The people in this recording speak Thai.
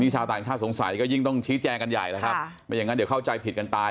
ชาวต่างชาติให้สงสัยยิ่งต้องชี้แจงกันใหญ่ไม่อย่างนั้นเข้าใจผิดกันตาย